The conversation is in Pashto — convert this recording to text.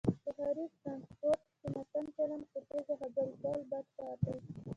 په ښاری ټرانسپورټ کې ناسم چلند، په تیزه خبرې کول بد کاردی